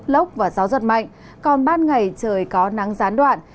lốc và gió giật mạnh còn ban ngày trời có nắng gián đoạn